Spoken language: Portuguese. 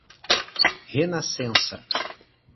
Renascença